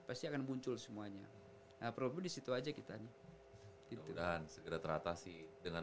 pasti akan muncul semuanya nah problemnya di situ aja kita nih keberomaan segera terata sih dengan